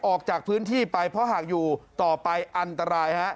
ออกจากพื้นที่ไปเพราะหากอยู่ต่อไปอันตรายฮะ